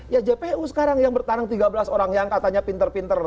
ya jpu sekarang yang bertarung tiga belas orang yang katanya pinter pinter